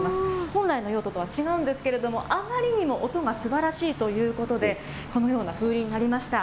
本来の用途とは違うんですけれども、あまりにも音がすばらしいということで、このような風鈴になりました。